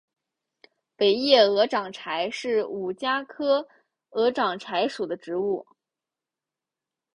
尾叶鹅掌柴是五加科鹅掌柴属的植物。